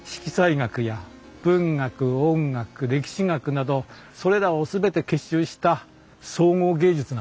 学や文学音楽歴史学などそれらを全て結集した総合芸術なんです。